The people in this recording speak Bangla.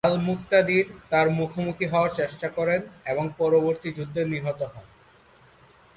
আল-মুকতাদির তার মুখোমুখি হওয়ার চেষ্টা করেন এবং পরবর্তী যুদ্ধে নিহত হন।